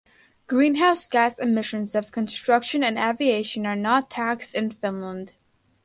Greenhouse gas emissions of construction and aviation are not taxed in Finland.